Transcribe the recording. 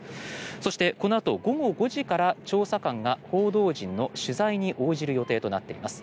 そしてこのあと午後５時から調査官が報道陣の取材に応じる予定になっています。